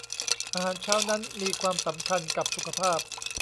อาหารเช้านั้นมีความสำคัญกับสุขภาพ